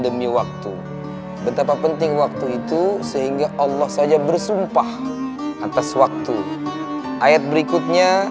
demi waktu betapa penting waktu itu sehingga allah saja bersumpah atas waktu ayat berikutnya